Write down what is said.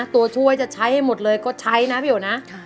ตัวช่วยจะใช้ให้หมดเลยก็ใช้นะพี่โอนะ